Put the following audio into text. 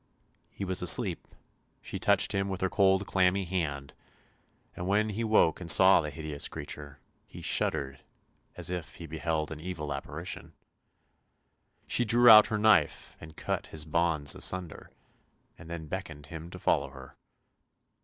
He was asleep, she touched him with her cold clammy hand, and THE MARSH KING'S DAUGHTER 291 when he woke and saw the hideous creature, he shuddered as if he beheld an evil apparition. She drew out her knife and cut his bonds asunder, and then beckoned him to follow her.